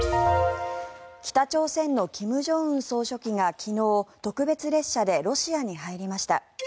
北朝鮮の金正恩総書記が昨日、特別列車でロシアに入りました。